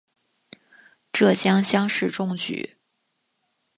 浙江乡试中举。